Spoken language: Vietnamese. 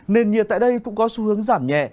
nền nhiệt tại đây cũng có xu hướng giảm nhẹ